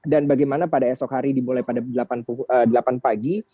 dan bagaimana pada esok hari dimulai pada delapan pagi